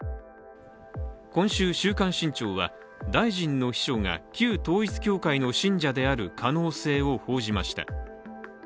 今週、「週刊新潮」は大臣の秘書が旧統一教会の信者である可能性を報じました。